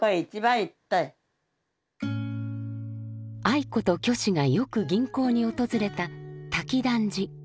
愛子と虚子がよく吟行に訪れた瀧谷寺。